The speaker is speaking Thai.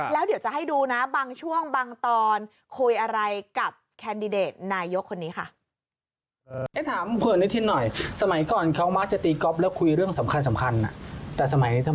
แล้วเดี๋ยวจะให้ดูนะบางช่วงบางตอนคุยอะไรกับแคนดิเดตนายกคนนี้ค่ะ